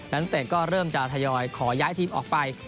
เตะก็เริ่มจะทยอยขอย้ายทีมออกไป